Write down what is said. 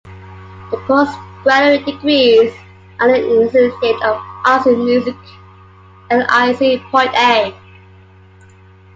The postgraduate degrees are the Licentiate of Arts in Music Lic.A.